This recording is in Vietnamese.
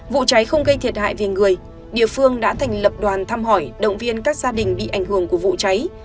vụ cháy không gây thiệt hại về người địa phương đã thành lập đoàn thăm hỏi động viên các gia đình bị ảnh hưởng của vụ cháy